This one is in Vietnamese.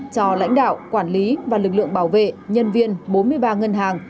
và lực lượng bảo vệ nhân viên bốn mươi ba ngân hàng cơ sở công an phường vĩnh tuy